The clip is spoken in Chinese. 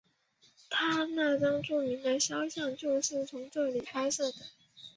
他那张著名的肖像就是在这里拍摄的。